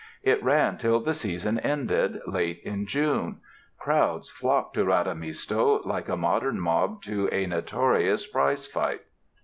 It ran till the season ended late in June; "crowds flocked to 'Radamisto' like a modern mob to a notorious prize fight."